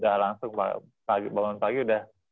udah langsung bangun pagi udah